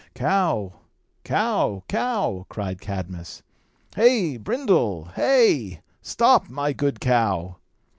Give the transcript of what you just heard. "Cow, cow, cow!" cried Cadmus. "Hey, Brindle, hey! Stop, my good cow."